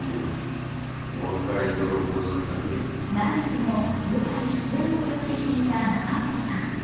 来月も舞台出演を予定していた仲本さん。